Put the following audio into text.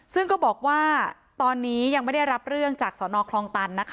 ซึ่งก็บอกว่าตอนนี้ยังไม่ได้รับเรื่องจากสนคลองตัน